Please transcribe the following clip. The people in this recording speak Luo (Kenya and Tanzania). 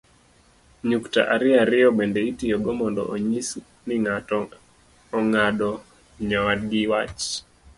nyukta ariyo ariyo bende itiyogo mondo onyis ni ng'ato ong'ado nyawadgi iwach